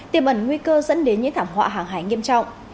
tiềm ẩn nguy cơ dẫn đến những thảm họa hàng hải nghiêm trọng